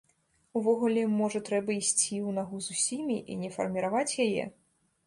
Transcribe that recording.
Увогуле, можа трэба ісці ў нагу з усімі і не фарміраваць яе?